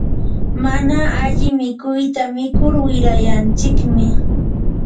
mana alli mikuyta mikur wirayanchikmi.